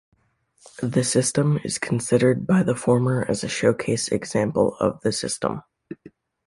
The system is considered by the former as a showcase example of the system.